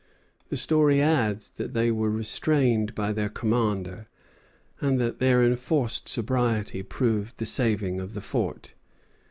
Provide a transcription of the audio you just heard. The story adds that they were restrained by their commander, and that their enforced sobriety proved the saving of the fort.